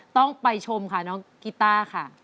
ต้องไปชมค่ะน้องกีต้าค่ะ